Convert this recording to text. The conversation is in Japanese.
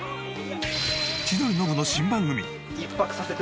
千鳥ノブの新番組。